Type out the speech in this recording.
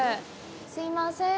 すいません。